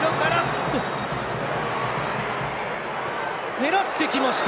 狙ってきました！